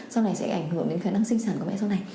sau này sẽ ảnh hưởng đến khả năng sinh sản của mẹ sau này